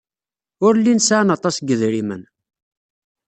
Ur llin sɛan aṭas n yedrimen.